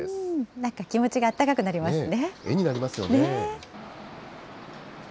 なんか気持ちがあったかくなりますね。